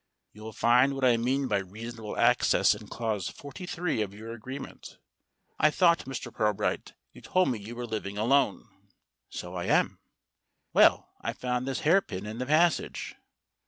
"You'll find what I mean by reasonable access in clause forty three of your agreement. I thought, Mr. Pirbright, you told me you were living alone." "So I am." "Well, I found this hairpin in the passage."